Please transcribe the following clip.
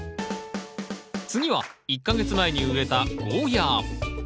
次は１か月前に植えたゴーヤー。